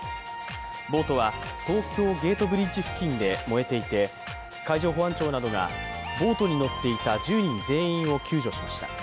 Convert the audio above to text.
ボートは東京ゲートブリッジ付近で燃えていて海上保安庁などがボートに乗っていた１０人全員を救助しました。